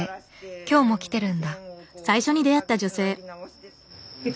今日も来てるんだ。